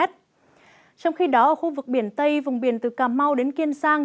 trong khi đó ở khu vực biển tây vùng biển từ cà mau đến kiên giang